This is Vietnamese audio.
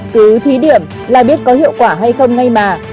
cứ thí điểm là biết có hiệu quả hay không ngay mà